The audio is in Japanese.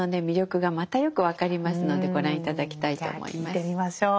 魅力がまたよく分かりますのでご覧頂きたいと思います。